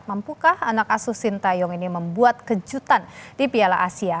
mampukah anak asuh sintayong ini membuat kejutan di piala asia